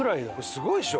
すごいでしょ？